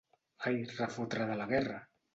Ai, refotre de la guerra!